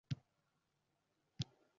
Qanday yashayin.